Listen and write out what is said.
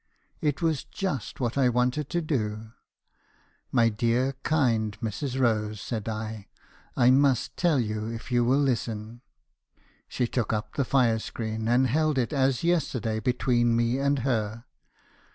u It was just what I wanted to do. "' My dear kind Mrs. Rose,' said I, ' I must tell you , if you will listen.' " She took up the fire screen , and held it, as yesterday, be tween me and her.